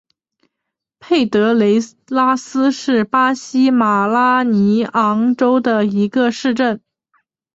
佩德雷拉斯是巴西马拉尼昂州的一个市镇。